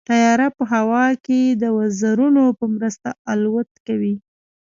طیاره په هوا کې د وزرونو په مرسته الوت کوي.